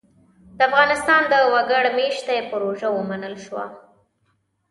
د افغانستان د وګړ مېشتۍ پروژه ومنل شوه.